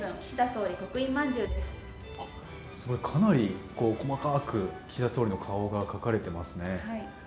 かなり細かく岸田総理の顔が描かれていますね。